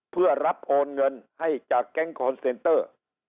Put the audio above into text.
เพื่อรับโอนเงินให้จากแก๊งคอนเซนเตอร์